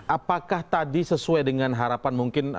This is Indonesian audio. apakah tadi sesuai dengan harapan mungkin